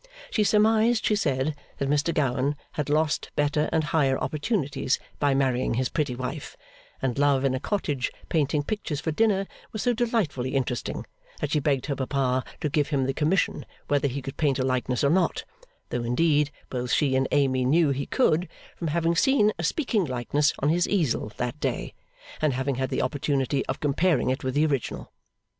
She surmised, she said, that Mr Gowan had lost better and higher opportunities by marrying his pretty wife; and Love in a cottage, painting pictures for dinner, was so delightfully interesting, that she begged her papa to give him the commission whether he could paint a likeness or not: though indeed both she and Amy knew he could, from having seen a speaking likeness on his easel that day, and having had the opportunity of comparing it with the original.